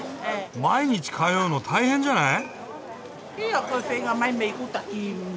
毎日通うの大変じゃない？